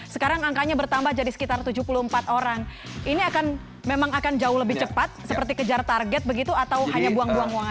sekarang angkanya bertambah jadi sekitar tujuh puluh empat orang ini akan memang akan jauh lebih cepat seperti kejar target begitu atau hanya buang buang uang